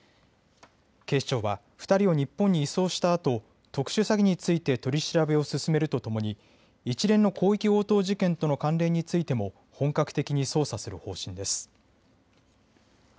警視庁は２人を日本に移送したあと特殊詐欺について取り調べを進めるとともに一連の広域強盗事件との関連についても本格的に捜査する方針です。